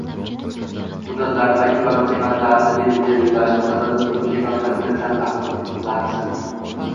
muddatlarini va eng baland qiymatlarini belgilashni nazarda tutuvchi yagona kalkulyatsiyasini tasdiqlasin;